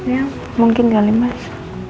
ya mungkin kali mas